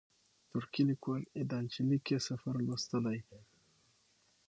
ترکی لیکوال ایدان چیلیک یې سفر لوستلی.